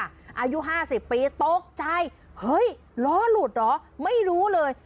อายุ๕๐ปีตกใจเฮ้ยล้อหลุดเหรอไม่รู้เลย